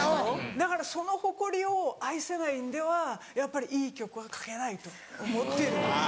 だからそのホコリを愛せないんではやっぱりいい曲は書けないと思ってるんです。